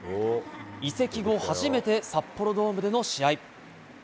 移籍後初めて札幌ドームでの試合。